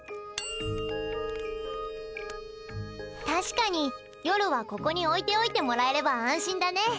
確かに夜はここに置いておいてもらえれば安心だね。